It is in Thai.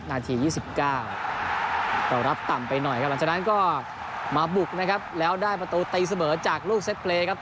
นาที๒๙เรารับต่ำไปหน่อยครับหลังจากนั้นก็มาบุกนะครับแล้วได้ประตูตีเสมอจากลูกเซ็ตเปรย์ครับ